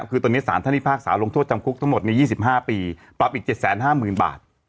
คือตอนนี้สารท่านพิพากษาลงโทษจำคุกทั้งหมดใน๒๕ปีปรับอีก๗๕๐๐๐บาท